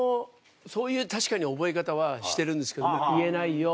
そういう確かに覚え方はしてるんですけど『言えないよ』